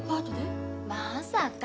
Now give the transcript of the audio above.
まさか。